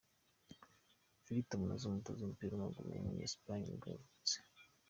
Víctor Muñoz, umutoza w’umupira w’amaguru wo muri Espagne nibwo yavutse.